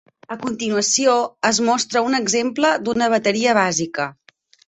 A continuació es mostra un exemple d'una bateria bàsica.